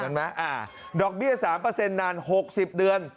เหมือนไหมดอกเบี้ย๓นาน๖๐เดือน